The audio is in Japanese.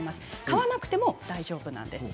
買わなくても大丈夫なんです。